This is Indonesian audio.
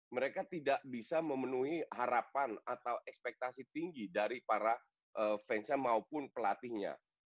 mereka tidak bisa memenuhi harapan atau ekspektasi tinggi dari para fansnya maupun pelatihnya